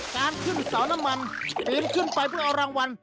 การขึ้นเสาน้ำมันปีนขึ้นไปเพื่อเอารางวัล